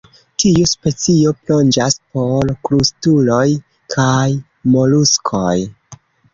Tiu specio plonĝas por krustuloj kaj moluskoj.